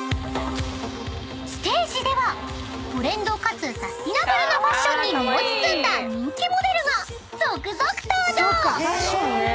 ［ステージではトレンドかつサスティナブルなファッションに身を包んだ人気モデルが続々登場］